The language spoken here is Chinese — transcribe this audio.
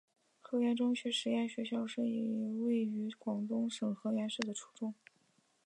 河源中学实验学校是一所位于广东省河源市的初中。